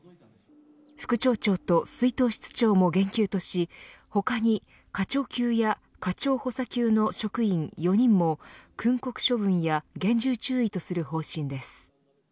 副町長と出納室長も減給とし他に課長級や課長補佐級の職員４人も訓告処分や厳重注意とする方針です。